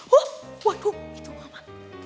huh waduh itu mama